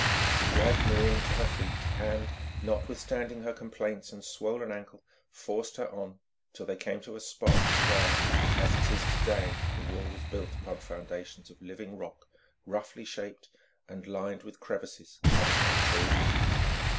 She dragged Miriam to her feet, and, notwithstanding her complaints and swollen ankle, forced her on, till they came to a spot where, as it is to day, the wall was built upon foundations of living rock, roughly shaped, and lined with crevices covered by tall weeds.